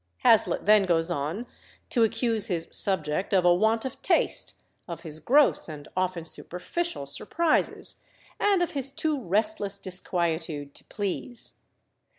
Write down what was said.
Hazlitt then goes on to accuse his "subject" of a want of taste, of his gross and often superficial surprises, and of his too restless disquietude to please.